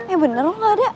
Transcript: eh bener lo gak ada